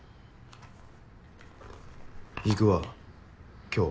行くわ今日。